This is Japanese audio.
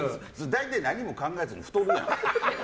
大体何も考えずに太るやん。